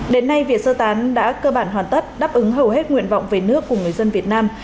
đến nay việc sơ tán đã cơ bản hoàn tất đáp ứng hầu hết nguyện vọng về nước của người dân việt nam